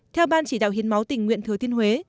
theo ban chỉ đạo hiến máu tỉnh nguyện thừa thiên huế